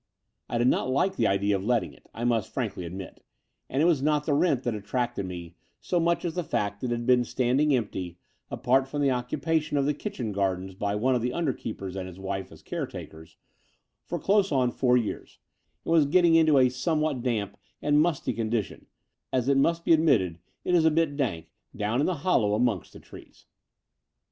I did not like the idea of letting it, I must frankly admit ; and it was not the rent that attracted me so much as the fact that it had been standing empty, apart from the occupation of the kitchen quarters by one of the tmder keepers and his wife as caretakers, for close on four, years, and was getting into a somewhat damp and musty condi tion, as it must be admitted it is a bit dank down The Brighton Road 45 in the hollow amongst the trees.